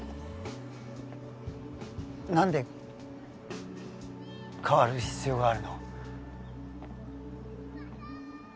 なんで変わる必要があるの？